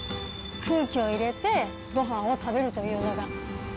空気を入れて、ごはんを食べるというのが。